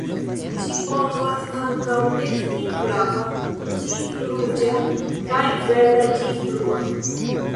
Ĝi povas ankaŭ esti flava ĝis ruĝa kaj verda ĝis blua.